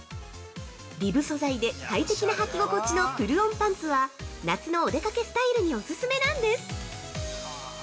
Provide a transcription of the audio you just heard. ◆リブ素材で、快適なはき心地のプルオンパンツは夏のお出かけスタイルにお勧めなんです。